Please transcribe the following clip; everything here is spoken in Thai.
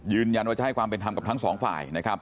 ยืนยันว่าจะให้ความเป็นธรรมกับทั้งสองฝ่ายนะครับ